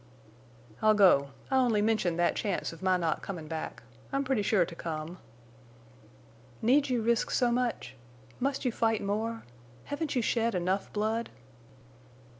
"I'll go. I only mentioned that chance of my not comin' back. I'm pretty sure to come." "Need you risk so much? Must you fight more? Haven't you shed enough blood?"